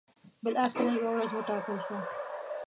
بالاخره یوه ورځ وټاکل شوه.